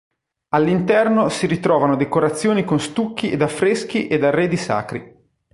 All'interno si ritrovano decorazioni con stucchi ed affreschi ed arredi sacri.